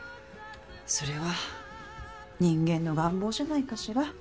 それは人間の願望じゃないかしら。